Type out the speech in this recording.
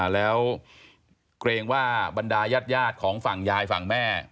แล้วเกรงว่าบรรดายาดของฝั่งยายฝั่งแม่